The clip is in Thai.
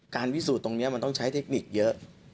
พิสูจน์ตรงนี้มันต้องใช้เทคนิคเยอะ